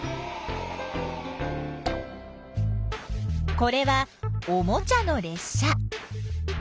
これはおもちゃのれっ車。